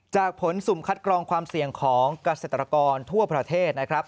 จากผลสุ่มคัดกรองความเสี่ยงของเกษตรกรทั่วประเทศนะครับ